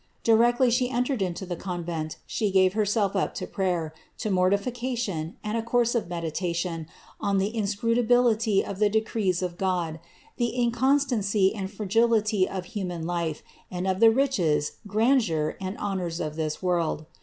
* Directly she entered into the convent she gave herself up to prayer, to mortification, and a course of meditation on the inscrutability of the decrees of God, the inconstancy and fragility of human life, and of the riches, grandeur, and honours of this world.